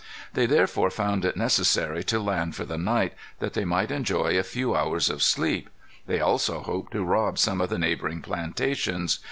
They therefore found it necessary to land for the night, that they might enjoy a few hours of sleep. They also hoped to rob some of the neighboring plantations.